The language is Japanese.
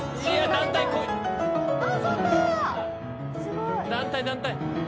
団体団体！